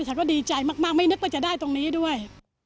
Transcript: ฉันก็ดีใจมากไม่นึกว่าจะได้ตรงนี้ด้วย